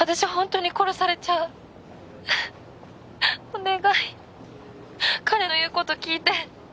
「お願い彼の言う事を聞いて」